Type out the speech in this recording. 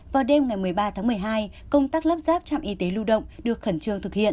vào đêm ngày một mươi ba tháng một mươi hai công tác lắp ráp trạm y tế lưu động được khẩn trương thực hiện